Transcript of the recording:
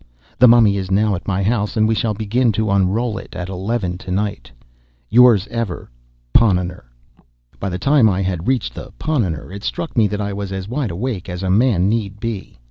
The Mummy is now at my house, and we shall begin to unroll it at eleven to night. "Yours, ever, PONNONNER. By the time I had reached the "Ponnonner," it struck me that I was as wide awake as a man need be.